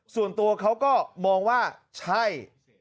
ส่วนตัวเขาก็มองว่าใช่